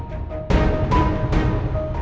apa ada apa